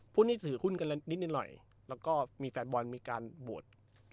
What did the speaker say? พวกนี้ถือหุ้นกันละนิดหน่อยแล้วก็มีแฟนบอลมีการโหวต